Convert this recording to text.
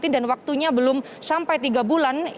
dan waktunya belum sampai tiga bulan